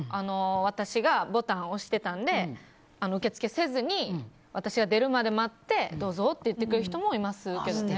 私がボタンを押してたんで受け付けせずに私が出るまで待ってどうぞって言ってくれる人も素敵。